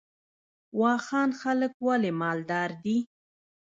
واخان خلک ولې مالدار دي؟